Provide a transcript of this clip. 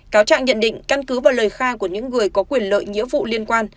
cáo trạng nhận định căn cứ và lời khai của những người có quyền lợi nghĩa vụ liên quan